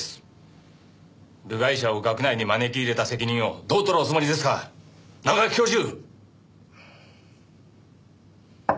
部外者を学内に招き入れた責任をどう取るおつもりですか中垣教授！